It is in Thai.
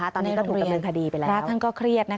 ตอนนี้ก็ถูกกำเนินคดีไปแล้ว